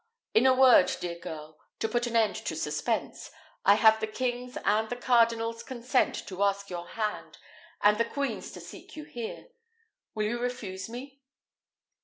In a word, dear girl, to put an end to suspense, I have the king's and the cardinal's consent to ask your hand, and the queen's to seek you here. Will you refuse me?"